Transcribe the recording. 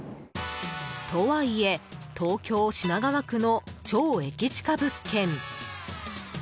とはいえ、東京・品川区の超駅近物件。